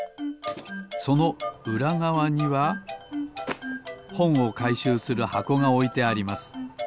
そのうらがわにはほんをかいしゅうするはこがおいてあります。